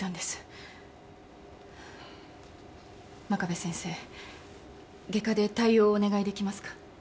はぁ真壁先生外科で対応をお願いできますか？